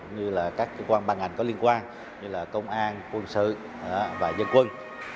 như là các cơ quan bằng ảnh có liên quan như là công an quân sự và nhân quân